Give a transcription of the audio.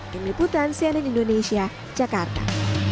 tim liputan cnn indonesia jakarta